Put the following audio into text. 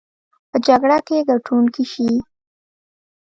په جګړه کې ګټونکي شي.